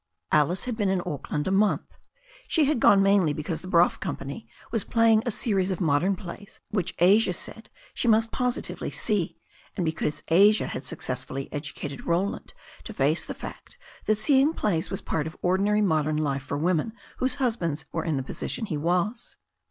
Alice had been in Auckland a month. She had gone mainly because the Brough Company was playing a series of modern plays which Asia said she must positively see, and because Asia had successfully educated Roland to face the fact that seeing plays was part of ordinary modem life for women whose husbands were in the position he was.